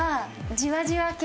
じわじわ系。